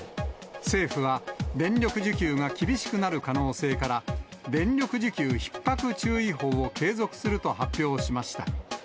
政府は電力需給が厳しくなる可能性から、電力需給ひっ迫注意報を継続すると発表しました。